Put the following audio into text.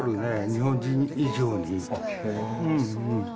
日本人以上に。